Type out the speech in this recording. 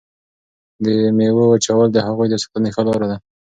د میوو وچول د هغوی د ساتنې ښه لاره ده.